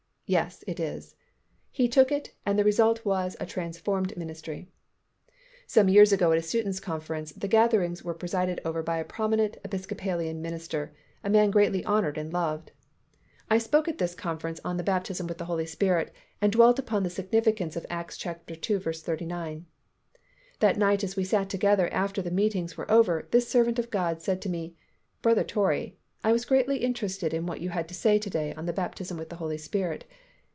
"Yes, it is." He took it and the result was a transformed ministry. Some years ago at a students' conference, the gatherings were presided over by a prominent Episcopalian minister, a man greatly honoured and loved. I spoke at this conference on the Baptism with the Holy Spirit, and dwelt upon the significance of Acts ii. 39. That night as we sat together after the meetings were over, this servant of God said to me, "Brother Torrey, I was greatly interested in what you had to say to day on the Baptism with the Holy Spirit.